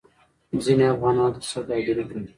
ځینې افغانان هلته سوداګري کوي.